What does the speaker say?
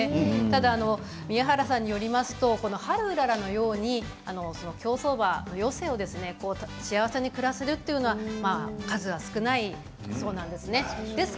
ただ、宮原さんによりますとこのハルウララのように競走馬の余生を幸せに暮らせるというのは数が少ないそうなんです。